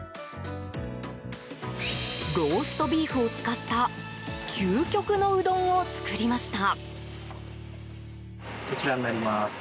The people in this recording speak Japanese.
ローストビーフを使った究極のうどんを作りました。